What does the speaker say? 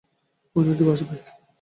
কোনো দিন কি ভাসবে?